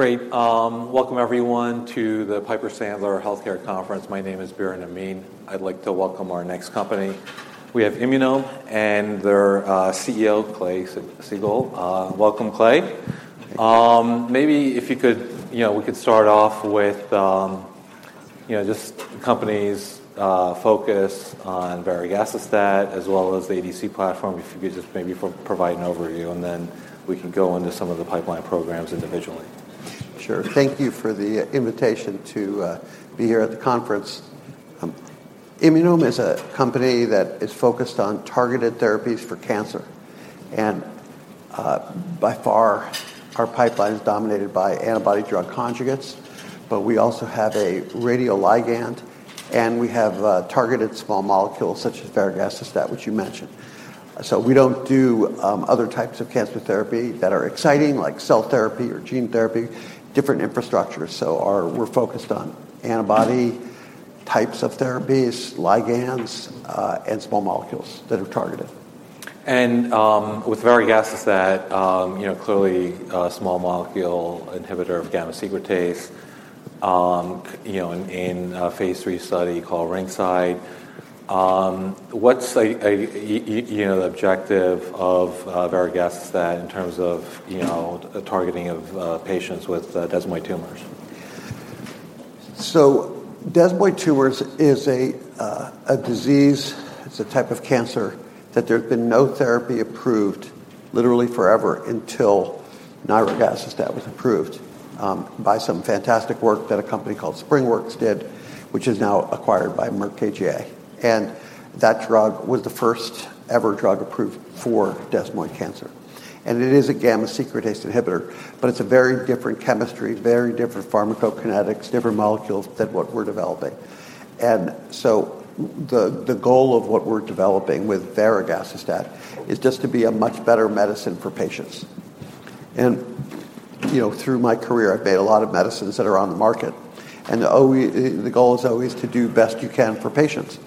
Great. Welcome, everyone, to the Piper Sandler Healthcare Conference. My name is Biren Amin. I'd like to welcome our next company. We have Immunome and their CEO, Clay Siegall. Welcome, Clay. Maybe if you could, we could start off with just the company's focus on Varegacestat, as well as the ADC platform. If you could just maybe provide an overview, and then we can go into some of the pipeline programs individually. Sure. Thank you for the invitation to be here at the conference. Immunome is a company that is focused on targeted therapies for cancer. And by far, our pipeline is dominated by antibody-drug conjugates, but we also have a radioligand, and we have targeted small molecules such as Varegacestat, which you mentioned. So we don't do other types of cancer therapy that are exciting, like cell therapy or gene therapy, different infrastructure. So we're focused on antibody types of therapies, ligands, and small molecules that are targeted. With Nirogacestat, clearly small molecule inhibitor of gamma secretase in a phase 3 study called RINGSIDE. What's the objective of Varegacestat in terms of targeting of patients with desmoid tumors? So desmoid tumors is a disease, it's a type of cancer that there's been no therapy approved, literally forever, until Nirogacestat was approved by some fantastic work that a company called SpringWorks did, which is now acquired by Merck KGaA. And that drug was the first ever drug approved for desmoid cancer. And it is a gamma secretase inhibitor, but it's a very different chemistry, very different pharmacokinetics, different molecules than what we're developing. And so the goal of what we're developing with variegated statin is just to be a much better medicine for patients. And through my career, I've made a lot of medicines that are on the market. And the goal is always to do best you can for patients.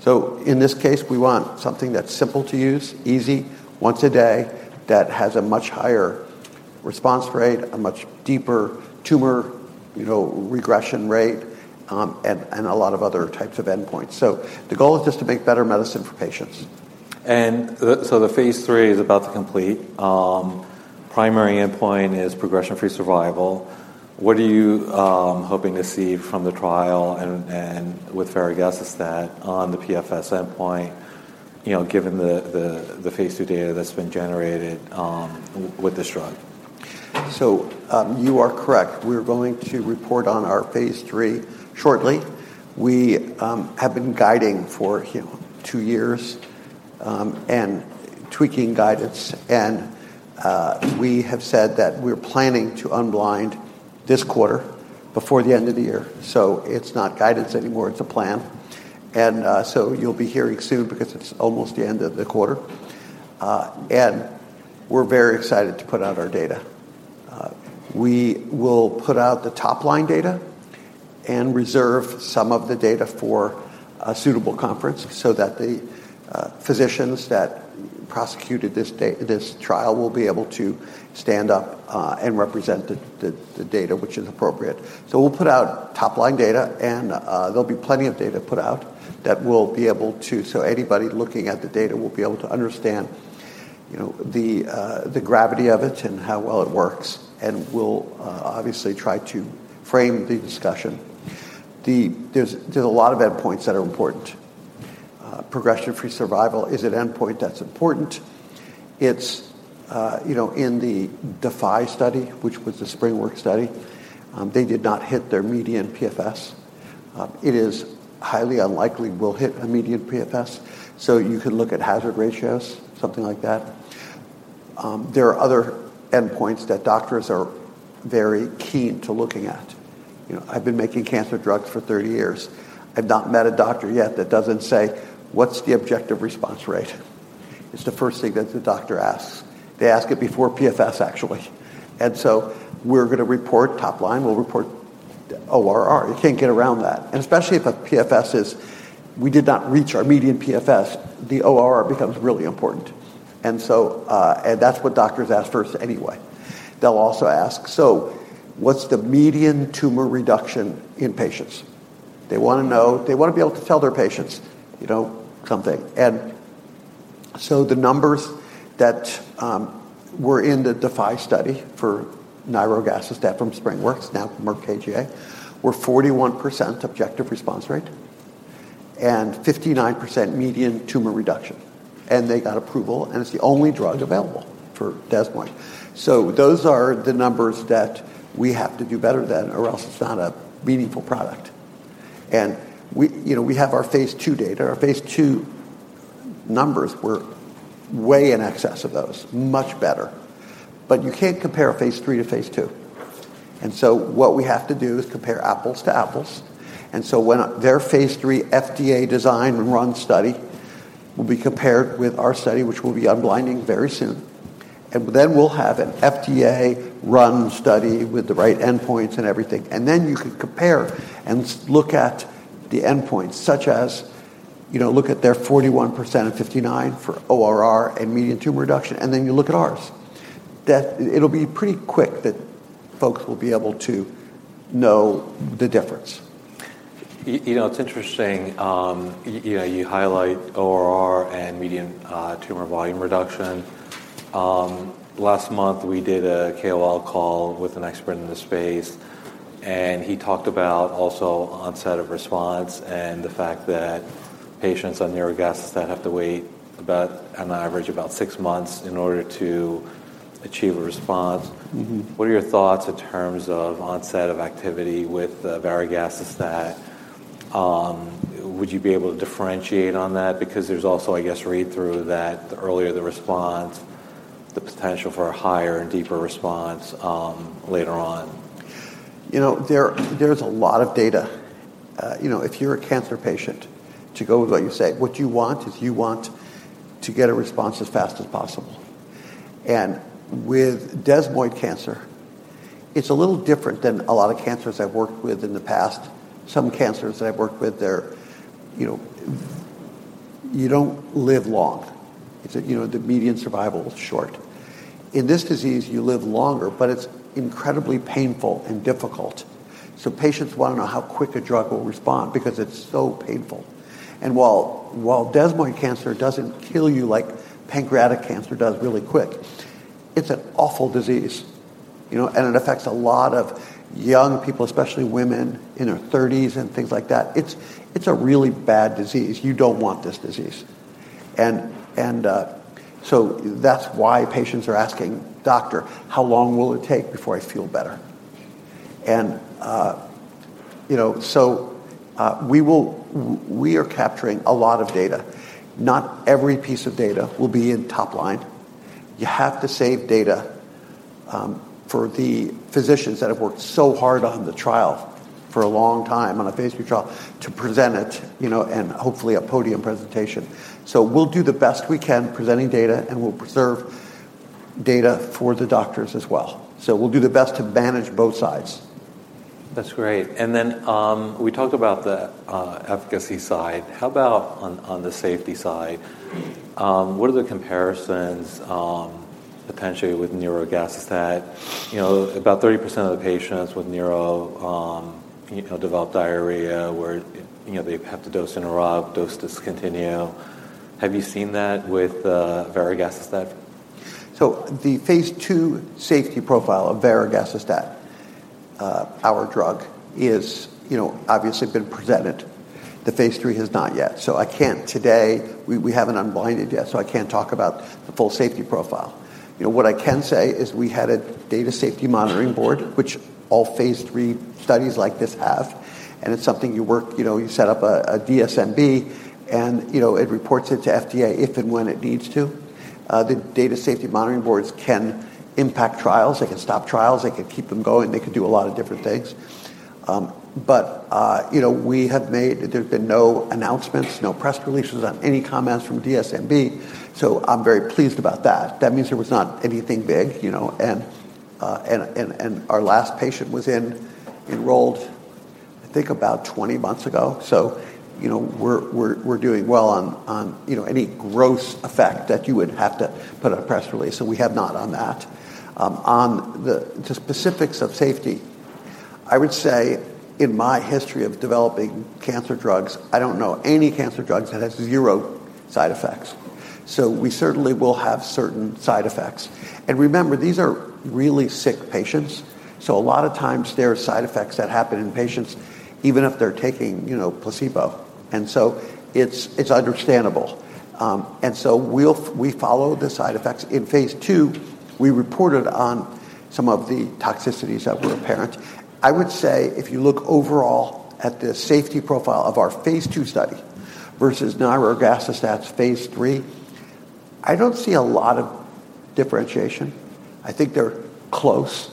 So in this case, we want something that's simple to use, easy, once a day, that has a much higher response rate, a much deeper tumor regression rate, and a lot of other types of endpoints. So the goal is just to make better medicine for patients. And so the phase III is about to complete. Primary endpoint is progression-free survival. What are you hoping to see from the trial, and with Nirogacestat on the PFS endpoint, given the phase II data that's been generated with this drug? You are correct. We're going to report on our phase III shortly. We have been guiding for two years and tweaking guidance. We have said that we're planning to unblind this quarter before the end of the year. It's not guidance anymore; it's a plan. You'll be hearing soon because it's almost the end of the quarter. We're very excited to put out our data. We will put out the top-line data and reserve some of the data for a suitable conference so that the physicians that prosecuted this trial will be able to stand up and represent the data, which is appropriate. We'll put out top-line data, and there'll be plenty of data put out that we'll be able to, so anybody looking at the data will be able to understand the gravity of it and how well it works. We'll obviously try to frame the discussion. There's a lot of endpoints that are important. Progression-free survival is an endpoint that's important. It's in the DeFi study, which was the SpringWorks study. They did not hit their median PFS. It is highly unlikely we'll hit a median PFS. So you can look at hazard ratios, something like that. There are other endpoints that doctors are very keen to looking at. I've been making cancer drugs for 30 years. I've not met a doctor yet that doesn't say, what's the objective response rate? It's the first thing that the doctor asks. They ask it before PFS, actually. And so we're going to report top-line, we'll report ORR. You can't get around that. And especially if a PFS is, we did not reach our median PFS, the ORR becomes really important. And that's what doctors ask first anyway. They'll also ask, so what's the median tumor reduction in patients? They want to know, they want to be able to tell their patients something. And so the numbers that were in the DeFi study for Nirogacestat from SpringWorks, now from Merck KGaA, were 41% objective response rate and 59% median tumor reduction. And they got approval, and it's the only drug available for desmoid. So those are the numbers that we have to do better than or else it's not a meaningful product. And we have our phase II data. Our phase II numbers were way in excess of those, much better. But you can't compare phase III to phase II. And so what we have to do is compare apples to apples. And so when their phase III FDA design and run study will be compared with our study, which will be unblinding very soon. And then we'll have an FDA run study with the right endpoints and everything. And then you can compare and look at the endpoints, such as look at their 41% and 59% for ORR and median tumor reduction, and then you look at ours. It'll be pretty quick that folks will be able to know the difference. It's interesting. You highlight ORR and median tumor volume reduction. Last month, we did a KOL call with an expert in the space, and he talked about also onset of response and the fact that patients on nirogacestat have to wait on average about six months in order to achieve a response. What are your thoughts in terms of onset of activity with Nirogacestat? Would you be able to differentiate on that? Because there's also, I guess, read-through that earlier the response, the potential for a higher and deeper response later on. There's a lot of data. If you're a cancer patient, to go with what you say, what you want is you want to get a response as fast as possible, and with desmoid cancer, it's a little different than a lot of cancers I've worked with in the past. Some cancers that I've worked with, you don't live long. The median survival is short. In this disease, you live longer, but it's incredibly painful and difficult, so patients want to know how quick a drug will respond because it's so painful, and while desmoid cancer doesn't kill you like pancreatic cancer does really quick, it's an awful disease, and it affects a lot of young people, especially women in their 30s and things like that. It's a really bad disease. You don't want this disease. And so that's why patients are asking, doctor, how long will it take before I feel better? And so we are capturing a lot of data. Not every piece of data will be in top-line. You have to save data for the physicians that have worked so hard on the trial for a long time on our phase III trial to present it and hopefully a podium presentation. So we'll do the best we can presenting data, and we'll preserve data for the doctors as well. So we'll do the best to manage both sides. That's great. And then we talked about the efficacy side. How about on the safety side? What are the comparisons potentially with Nirogacestat? About 30% of the patients with Niro develop diarrhea where they have to dose interrupt, dose discontinue. Have you seen that with Varegacestat? So the phase II safety profile of Varegacestat, our drug, has obviously been presented. The phase III has not yet. So I can't today, we haven't unblinded yet, so I can't talk about the full safety profile. What I can say is we had a data safety monitoring board, which all phase III studies like this have. And it's something you work, you set up a DSMB, and it reports it to FDA if and when it needs to. The data safety monitoring boards can impact trials. They can stop trials. They can keep them going. They can do a lot of different things. But we have made, there have been no announcements, no press releases on any comments from DSMB. So I'm very pleased about that. That means there was not anything big. And our last patient was enrolled, I think, about 20 months ago. We're doing well on any gross effect that you would have to put on a press release, and we have not on that. On the specifics of safety, I would say in my history of developing cancer drugs, I don't know any cancer drugs that have zero side effects. So we certainly will have certain side effects. And remember, these are really sick patients. So a lot of times there are side effects that happen in patients even if they're taking placebo. And so it's understandable. And so we follow the side effects. In phase II, we reported on some of the toxicities that were apparent. I would say if you look overall at the safety profile of our phase II study versus Nirogacestat's phase III, I don't see a lot of differentiation. I think they're close.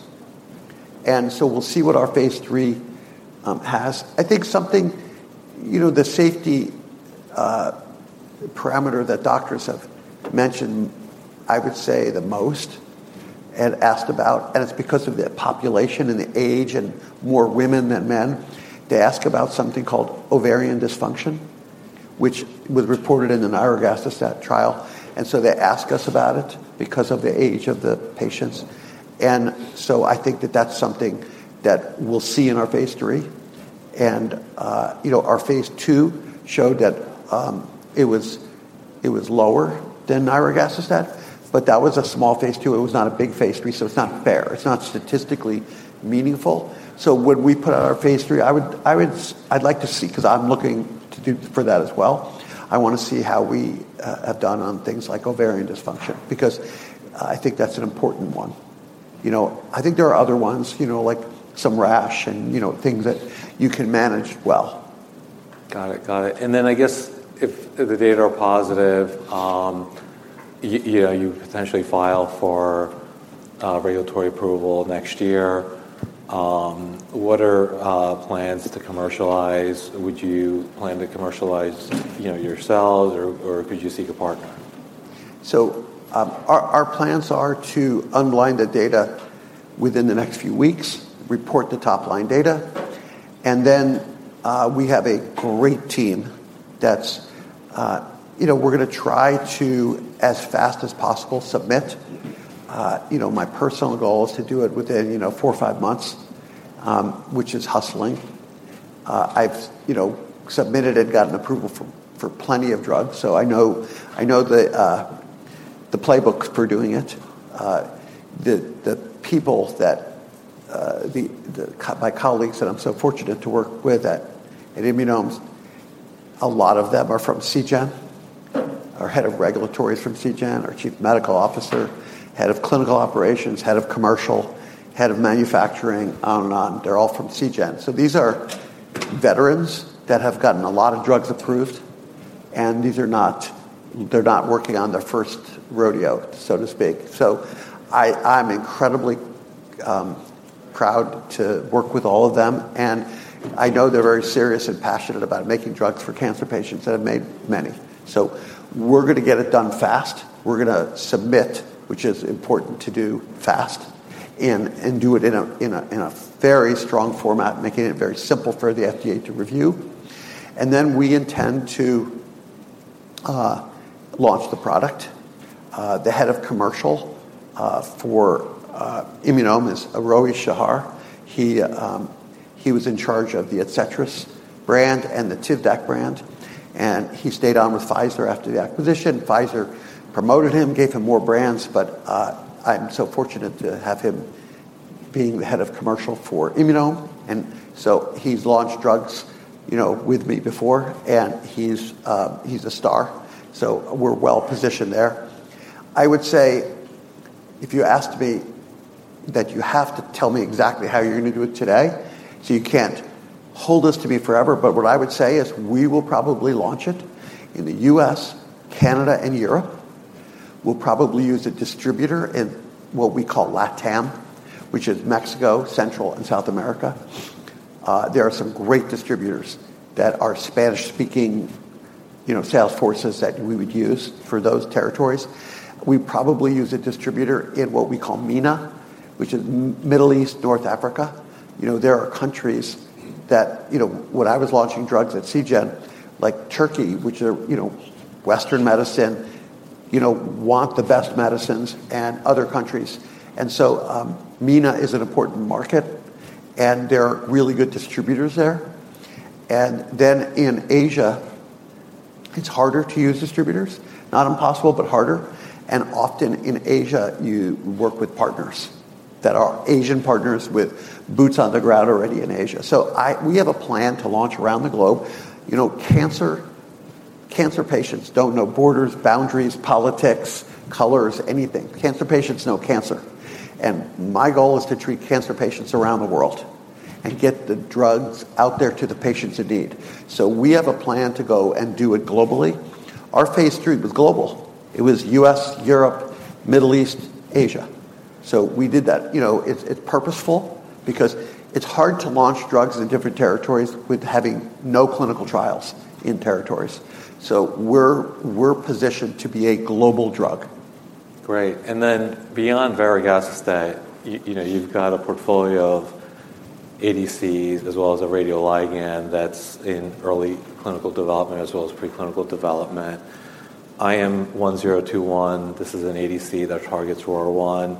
And so we'll see what our phase III has. I think something, the safety parameter that doctors have mentioned, I would say the most and asked about, and it's because of the population and the age and more women than men, they ask about something called ovarian dysfunction, which was reported in the nirogacestat trial. And so they ask us about it because of the age of the patients. And so I think that that's something that we'll see in our phase III. And our phase II showed that it was lower than Nirogacestat, but that was a small phase II. It was not a big phase III, so it's not fair. It's not statistically meaningful. So when we put out our phase III, I'd like to see, because I'm looking for that as well, I want to see how we have done on things like ovarian dysfunction, because I think that's an important one. I think there are other ones, like some rash and things that you can manage well. Got it. Got it. And then I guess if the data are positive, you potentially file for regulatory approval next year. What are plans to commercialize? Would you plan to commercialize yourselves, or would you seek a partner? So our plans are to unblind the data within the next few weeks, report the top-line data. And then we have a great team that we're going to try to, as fast as possible, submit. My personal goal is to do it within four or five months, which is hustling. I've submitted and gotten approval for plenty of drugs, so I know the playbooks for doing it. The people that my colleagues that I'm so fortunate to work with at Immunome, a lot of them are from CGEN. Our Head of regulatory is from CGEN, our Chief Medical Officer, Head of Clinical Operations, Head of Commercial, Head of Manufacturing, on and on. They're all from CGEN. These are veterans that have gotten a lot of drugs approved and they're are not working on their first rodeo so to speak. I am incredibly proud to work with all of them. And I know they're very serious and passionate about making drugs for cancer patients, and have made many. So we're going to get it done fast. We're going to submit, which is important to do fast, and do it in a very strong format, making it very simple for the FDA to review. And then we intend to launch the product. The head of commercial for Immunome is Rohan Shah. He was in charge of the Adcetris brand and the Tivdac brand. And he stayed on with Pfizer after the acquisition. Pfizer promoted him, gave him more brands, but I'm so fortunate to have him being the head of commercial for Immunome. And so he's launched drugs with me before, and he's a star. So we're well positioned there. I would say, if you asked me that you have to tell me exactly how you're going to do it today, so you can't hold this to me forever, but what I would say is we will probably launch it in the U.S., Canada, and Europe. We'll probably use a distributor in what we call LATAM, which is Mexico, Central America, and South America. There are some great distributors that are Spanish-speaking sales forces that we would use for those territories. We probably use a distributor in what we call MENA, which is Middle East, North Africa. There are countries that, when I was launching drugs at CGEN, like Turkey, which are Western medicine, want the best medicines and other countries, and so MENA is an important market, and there are really good distributors there, and then in Asia, it's harder to use distributors. Not impossible, but harder. And often in Asia, you work with partners that are Asian partners with boots on the ground already in Asia. So we have a plan to launch around the globe. Cancer patients don't know borders, boundaries, politics, colors, anything. Cancer patients know cancer. And my goal is to treat cancer patients around the world and get the drugs out there to the patients in need. So we have a plan to go and do it globally. Our phase III was global. It was U.S., Europe, Middle East, Asia. So we did that. It's purposeful because it's hard to launch drugs in different territories with having no clinical trials in territories. So we're positioned to be a global drug. Great. And then beyond Varegacestat, you've got a portfolio of ADCs as well as a radioligand that's in early clinical development as well as preclinical development. IM1021, this is an ADC that targets ROR1.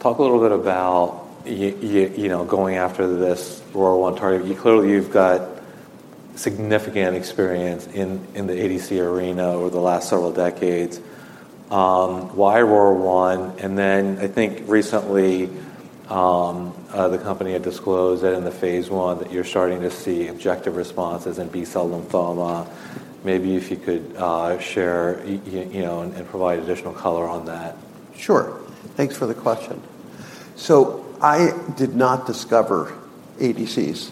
Talk a little bit about going after this ROR1 target. Clearly, you've got significant experience in the ADC arena over the last several decades. Why ROR1? And then I think recently the company had disclosed that in the phase I that you're starting to see objective responses in B-cell lymphoma. Maybe if you could share and provide additional color on that. Sure. Thanks for the question. So I did not discover ADCs.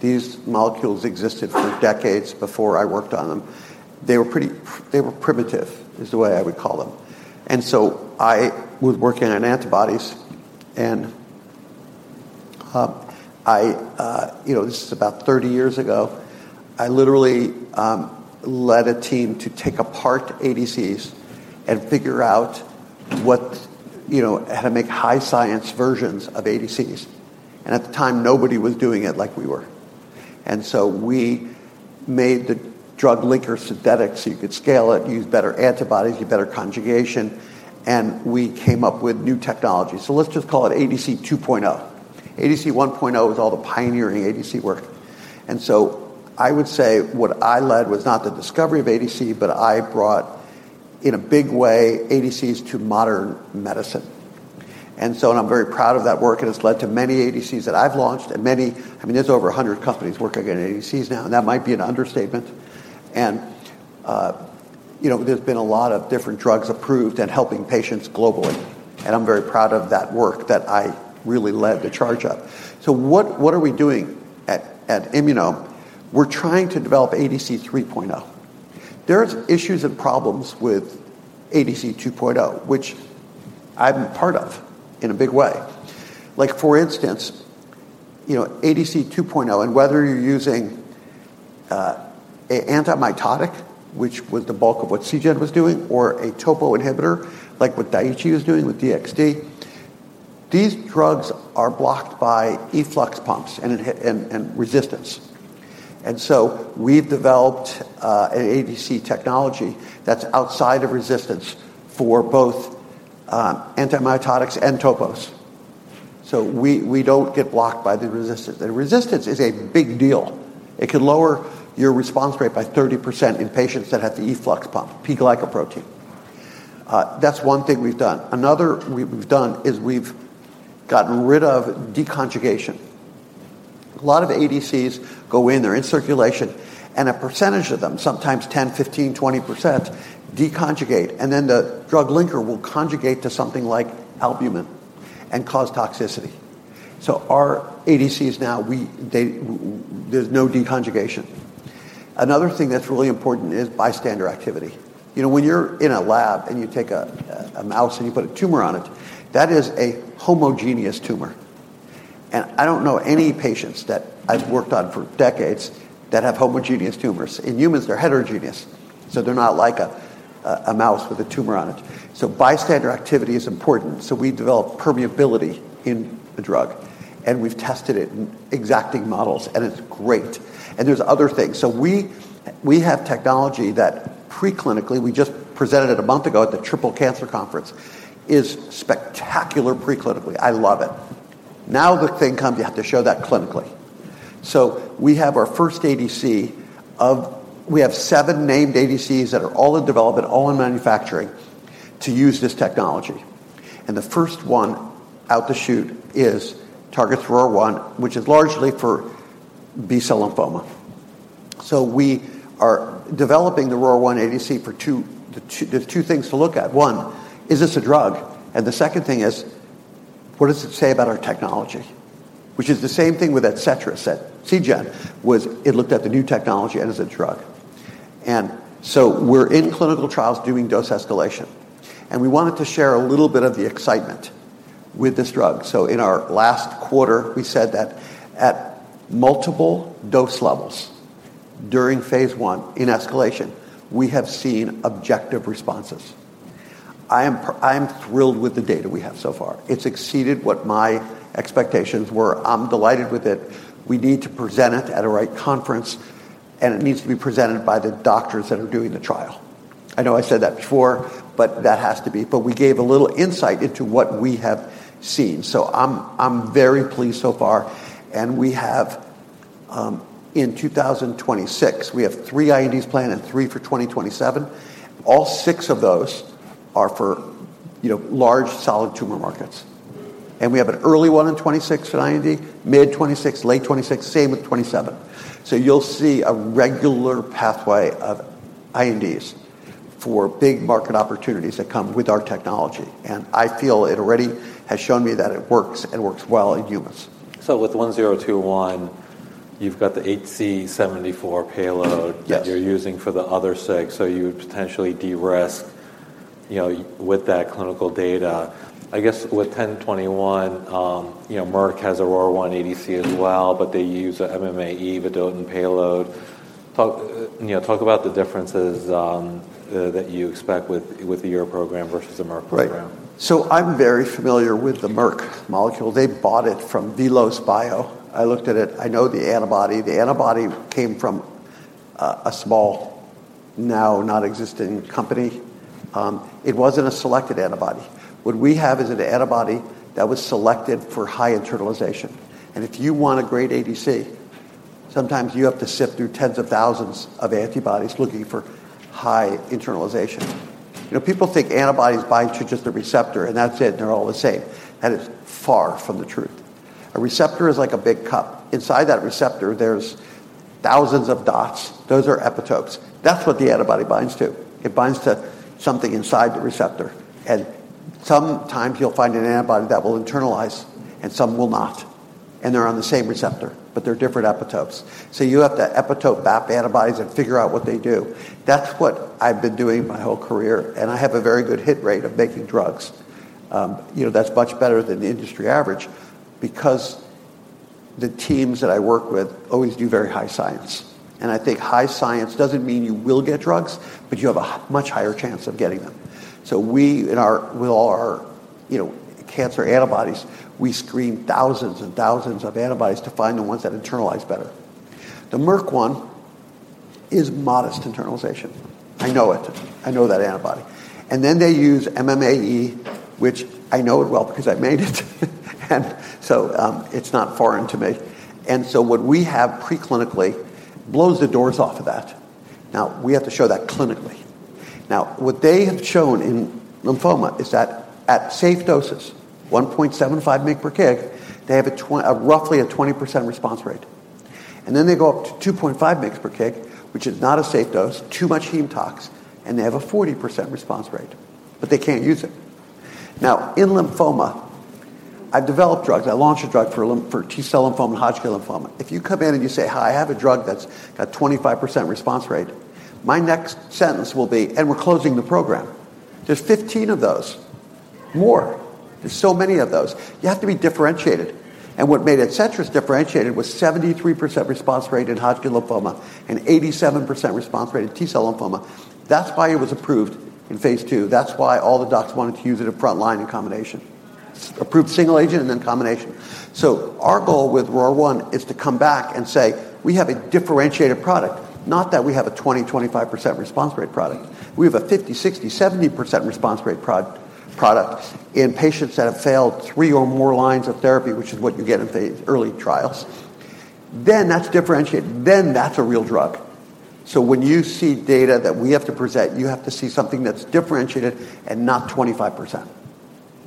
These molecules existed for decades before I worked on them. They were primitive, is the way I would call them. And so I was working on antibodies. And this is about 30 years ago. I literally led a team to take apart ADCs and figure out how to make high-science versions of ADCs. And at the time, nobody was doing it like we were. And so we made the drug linker synthetic so you could scale it, use better antibodies, get better conjugation, and we came up with new technology. So let's just call it ADC 2.0. ADC 1.0 was all the pioneering ADC work. And so I would say what I led was not the discovery of ADC, but I brought, in a big way, ADCs to modern medicine. And so I'm very proud of that work. It's led to many ADCs that I've launched and many. I mean, there's over 100 companies working on ADCs now. That might be an understatement. There's been a lot of different drugs approved and helping patients globally. I'm very proud of that work that I really led the charge of. What are we doing at Immunome? We're trying to develop ADC 3.0. There are issues and problems with ADC 2.0, which I'm a part of in a big way. For instance, ADC 2.0, and whether you're using an antimitotic, which was the bulk of what CGEN was doing, or a topo inhibitor, like what Daiichi was doing with DXD. These drugs are blocked by efflux pumps and resistance. We've developed an ADC technology that's outside of resistance for both antimitotics and topos. We don't get blocked by the resistance. Resistance is a big deal. It can lower your response rate by 30% in patients that have the efflux pump, P-glycoprotein. That's one thing we've done. Another we've done is we've gotten rid of deconjugation. A lot of ADCs go in. They're in circulation. And a percentage of them, sometimes 10%, 15%, 20%, deconjugate. And then the drug linker will conjugate to something like albumin and cause toxicity. So our ADCs now, there's no deconjugation. Another thing that's really important is bystander activity. When you're in a lab and you take a mouse and you put a tumor on it, that is a homogeneous tumor. And I don't know any patients that I've worked on for decades that have homogeneous tumors. In humans, they're heterogeneous. So they're not like a mouse with a tumor on it. So bystander activity is important. So we develop permeability in the drug. And we've tested it in exacting models, and it's great. And there's other things. So we have technology that, preclinically, we just presented it a month ago at the Triple Cancer Conference, is spectacular preclinically. I love it. Now the thing comes, you have to show that clinically. So we have our first ADC. We have seven named ADCs that are all in development, all in manufacturing to use this technology. And the first one out to shoot targets ROR1, which is largely for B-cell lymphoma. So we are developing the ROR1 ADC for two. There's two things to look at. One, is this a drug? And the second thing is, what does it say about our technology? Which is the same thing with Adcetris that CGEN was. It looked at the new technology and as a drug. And so we're in clinical trials doing dose escalation. And we wanted to share a little bit of the excitement with this drug. So in our last quarter, we said that at multiple dose levels during phase I in escalation, we have seen objective responses. I am thrilled with the data we have so far. It's exceeded what my expectations were. I'm delighted with it. We need to present it at a right conference, and it needs to be presented by the doctors that are doing the trial. I know I said that before, but that has to be. But we gave a little insight into what we have seen. So I'm very pleased so far. And in 2026, we have three INDs planned and three for 2027. All six of those are for large, solid tumor markets. And we have an early one in 2026 for IND, mid 2026, late 2026, same with 2027. So you'll see a regular pathway of INDs for big market opportunities that come with our technology. And I feel it already has shown me that it works and works well in humans. With 1021, you've got the HC74 payload that you're using for the other six. You would potentially de-risk with that clinical data. I guess with 1021, Merck has a ROR1 ADC as well, but they use an MMAE Vedotin payload. Talk about the differences that you expect with the Immunome program versus the Merck program. Right. So I'm very familiar with the Merck molecule. They bought it from Veloce Bio. I looked at it. I know the antibody. The antibody came from a small, now non-existing company. It wasn't a selected antibody. What we have is an antibody that was selected for high internalization. And if you want a great ADC, sometimes you have to sift through tens of thousands of antibodies looking for high internalization. People think antibodies bind to just a receptor, and that's it, and they're all the same. That is far from the truth. A receptor is like a big cup. Inside that receptor, there's thousands of dots. Those are epitopes. That's what the antibody binds to. It binds to something inside the receptor. And sometimes you'll find an antibody that will internalize, and some will not. And they're on the same receptor, but they're different epitopes. So, you have to epitope-binding antibodies and figure out what they do. That's what I've been doing my whole career. And I have a very good hit rate of making drugs that's much better than the industry average because the teams that I work with always do very high science. And I think high science doesn't mean you will get drugs, but you have a much higher chance of getting them. So with all our cancer antibodies, we screen thousands and thousands of antibodies to find the ones that internalize better. The Merck one is modest internalization. I know it. I know that antibody. And then they use MMAE, which I know it well because I made it. And so it's not foreign to me. And so what we have preclinically blows the doors off of that. Now, we have to show that clinically. Now, what they have shown in lymphoma is that at safe doses, 1.75 mcg per kg, they have roughly a 20% response rate. And then they go up to 2.5 mcg per kg, which is not a safe dose, too much heme tox, and they have a 40% response rate. But they can't use it. Now, in lymphoma, I've developed drugs. I launched a drug for T-cell lymphoma and Hodgkin lymphoma. If you come in and you say, "Hi, I have a drug that's got 25% response rate," my next sentence will be, "And we're closing the program." There's 15 of those, more. There's so many of those. You have to be differentiated. And what made Adcetris differentiated was 73% response rate in Hodgkin lymphoma and 87% response rate in T-cell lymphoma. That's why it was approved in phase II. That's why all the docs wanted to use it in front line and combination, approved single agent and then combination. So our goal with ROR1 is to come back and say, "We have a differentiated product." Not that we have a 20%, 25% response rate product. We have a 50, 60%, 70% response rate product in patients that have failed three or more lines of therapy, which is what you get in early trials. Then that's differentiated. Then that's a real drug. So when you see data that we have to present, you have to see something that's differentiated and not 25%.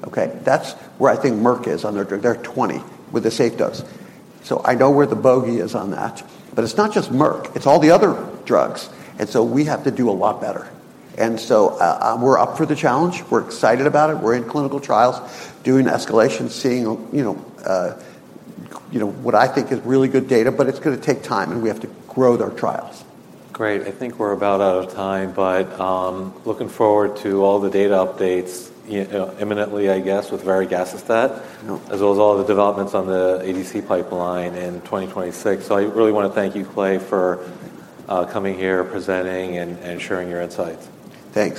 Okay? That's where I think Merck is on their drug. They're 20% with a safe dose. So I know where the bogey is on that. But it's not just Merck. It's all the other drugs. And so we have to do a lot better. And so we're up for the challenge. We're excited about it. We're in clinical trials, doing escalation, seeing what I think is really good data. But it's going to take time, and we have to grow their trials. Great. I think we're about out of time, but looking forward to all the data updates imminently, I guess, with Varegacestat, as well as all the developments on the ADC pipeline in 2026, so I really want to thank you, Clay, for coming here, presenting, and sharing your insights. Thanks.